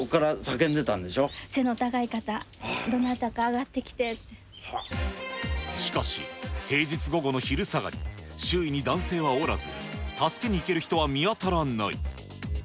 背の高い方、しかし、平日午後の昼下がり、周囲に男性はおらず、助けに行ける人は見当たらない。